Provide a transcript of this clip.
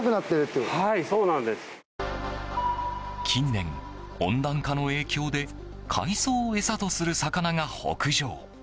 近年、温暖化の影響で海藻を餌とする魚が北上。